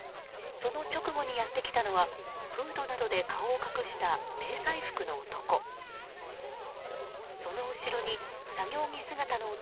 その直後にやってきたのはフードなどで顔を隠した迷彩服の男。